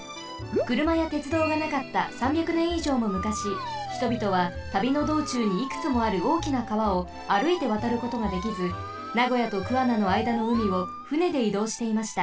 くるまやてつどうがなかった３００年以上も昔ひとびとは旅のどうちゅうにいくつもあるおおきな川をあるいてわたることができず名古屋と桑名のあいだのうみを船でいどうしていました。